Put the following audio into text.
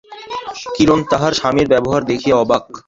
কিরণ তাহার স্বামীর ব্যবহার দেখিয়া অবাক।